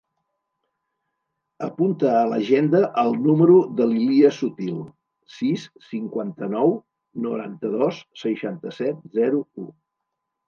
Apunta a l'agenda el número de l'Ilyas Sutil: sis, cinquanta-nou, noranta-dos, seixanta-set, zero, u.